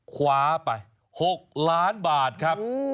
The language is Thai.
คว้าไป๖ล้านบาทครับ